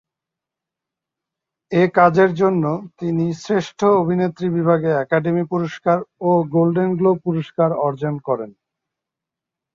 এই কাজের জন্য তিনি শ্রেষ্ঠ অভিনেত্রী বিভাগে একাডেমি পুরস্কার ও গোল্ডেন গ্লোব পুরস্কার অর্জন করেন।